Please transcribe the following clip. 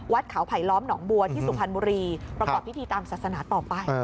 วัดเขาไผลล้อมหนองบัวที่สุพรรณบุรีประกอบพิธีตามศาสนาต่อไป